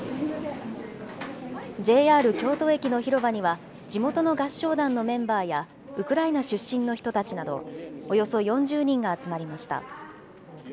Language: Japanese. ＪＲ京都駅の広場には、地元の合唱団のメンバーやウクライナ出身の人たちなど、およそ４０人が集まりました。